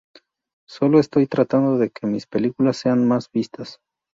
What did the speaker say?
Solo estoy tratando de que mis películas sean más vistas.